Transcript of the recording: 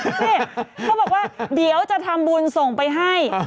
นี่เขาบอกว่าเดี๋ยวจะทำบุญส่งไปให้